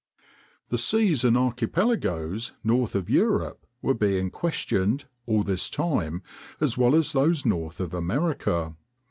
The seas and archipelagoes north of Europe were being questioned, all this time, as well as those north of America.